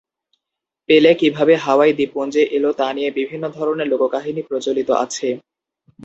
পেলে কীভাবে হাওয়াই দ্বীপপুঞ্জে এলো, তা নিয়ে বিভিন্ন ধরনের লোককাহিনী প্রচলিত আছে।